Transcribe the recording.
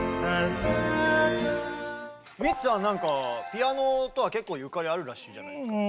ピアノとは結構ゆかりあるらしいじゃないですか。